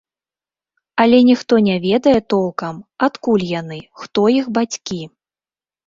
Але ніхто не ведае толкам, адкуль яны, хто іх бацькі.